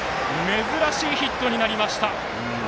珍しいヒットになりました。